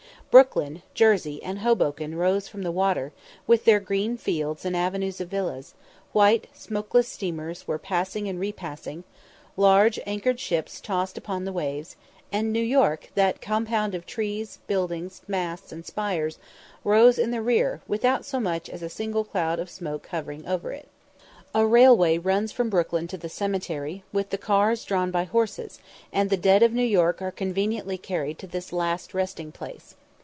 Brooklyn, Jersey, and Hoboken rose from the water, with their green fields and avenues of villas; white, smokeless steamers were passing and repassing; large anchored ships tossed upon the waves; and New York, that compound of trees, buildings, masts, and spires, rose in the rear, without so much as a single cloud of smoke hovering over it. A railway runs from Brooklyn to the cemetery, with the cars drawn by horses, and the dead of New York are conveniently carried to this last resting place.